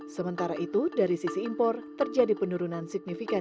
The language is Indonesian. sementara itu dari sisi impor terjadi penurunan signifikan